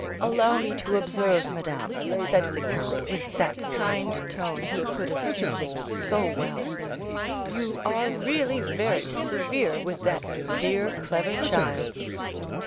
"Allow me to observe, madame," said the count, with that kind tone he could assume so well, "you are really very severe with that dear clever child."